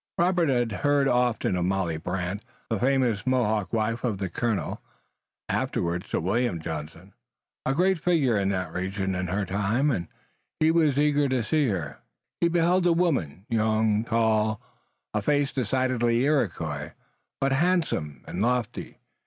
Robert had heard often of Molly Brant, the famous Mohawk wife of Colonel, afterward Sir William Johnson, a great figure in that region in her time, and he was eager to see her. He beheld a woman, young, tall, a face decidedly Iroquois, but handsome and lofty.